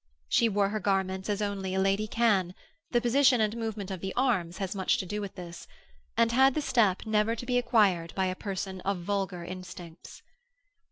She wore her garments as only a lady can (the position and movement of the arms has much to do with this), and had the step never to be acquired by a person of vulgar instincts.